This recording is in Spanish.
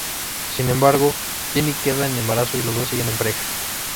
Sin embargo, Jenny queda en embarazo y los dos siguen en pareja.